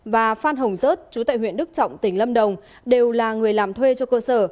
và phan hồng rớt chú tại huyện đức trọng tỉnh lâm đồng đều là người làm thuê cho cơ sở